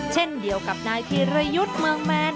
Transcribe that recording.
เช่นเดียวกับนายธีรยุทธ์เมืองแมน